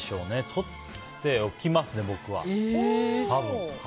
とっておきますね、僕は多分。